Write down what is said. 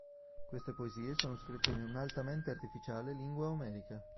Queste poesie sono scritte in un'altamente artificiale lingua omerica.